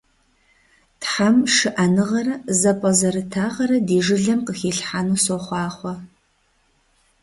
Тхьэм шыӀэныгъэрэ зэпӀэзэрытагъэрэ ди жылэм къыхилъхьэну сохъуахъуэ.